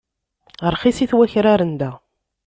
Rxisit wakraren da.